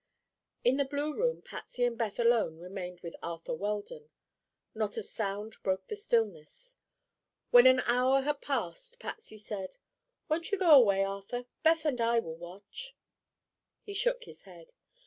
In the blue room Patsy and Beth alone remained with Arthur Weldon. Not a sound broke the stillness. When an hour had passed, Patsy said: "Won't you go away, Arthur? Beth and I will watch." He shook his head.